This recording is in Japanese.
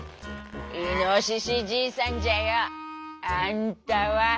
「イノシシじいさんじゃよ。あんたは？」。